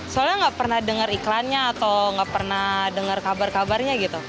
soalnya nggak pernah dengar iklannya atau nggak pernah dengar kabar kabarnya gitu